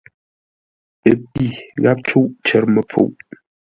Ə́ pî, gháp cûʼ cər məpfuʼ.